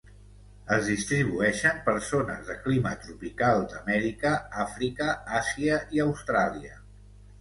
Es distribueixen per zones de clima tropical d'Amèrica, Àfrica, Àsia i Austràlia.